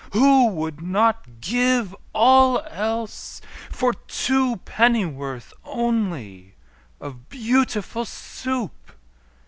Who would not give all else for two Pennyworth only of Beautiful Soup?